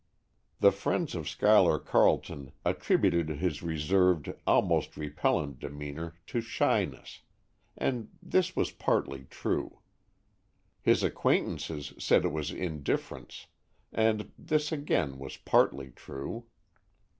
The friends of Schuyler Carleton attributed his reserved, almost repellent demeanor to shyness, and this was partly true. His acquaintances said it was indifference, and this again, was partly true.